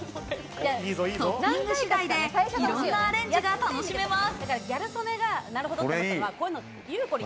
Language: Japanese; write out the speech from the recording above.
トッピング次第でいろんなアレンジが楽しめます。